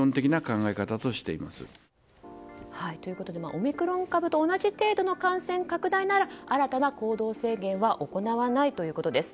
オミクロン株と同じ程度の感染拡大なら新たな行動制限は行わないということです。